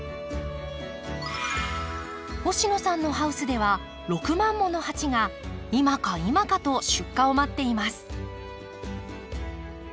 星野さんのハウスでは６万もの鉢が今か今かと出荷を待っています。